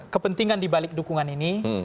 kepentingan di balik dukungan ini